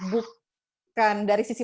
bukan dari sisi